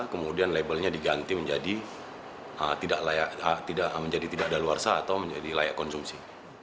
kemudian labelnya diganti menjadi tidak daluarsa atau menjadi layak konsumsi